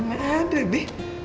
gak ada be